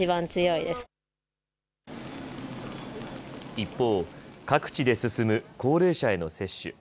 一方、各地で進む高齢者への接種。